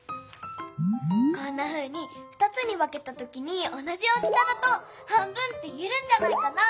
こんなふうに２つにわけたときにおなじ大きさだと半分っていえるんじゃないかな。